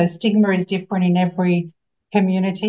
stigma berbeda di setiap komunitas